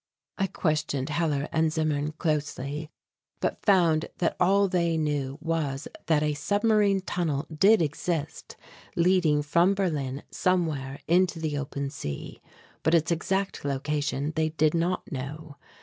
I questioned Hellar and Zimmern closely but found that all they knew was that a submarine tunnel did exist leading from Berlin somewhere into the open sea; but its exact location they did not know.